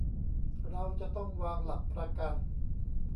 เราจะต้องวางหลักประกัน